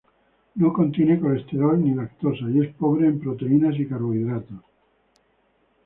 No contiene colesterol ni lactosa y es pobre en proteínas y carbohidratos.